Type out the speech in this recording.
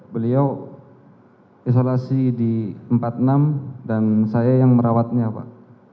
beliau isolasi di empat puluh enam dan saya yang merawatnya pak